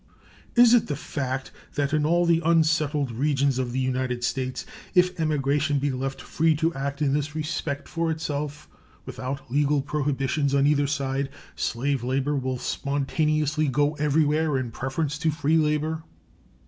Is it the fact that in all the unsettled regions of the United States, if emigration be left free to act in this respect for itself, without legal prohibitions on either side, slave labor will spontaneously go everywhere in preference to free labor?